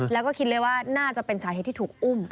แล้วก็คิดเลยว่าน่าจะเป็นสาเหตุที่ถูกอุ้ม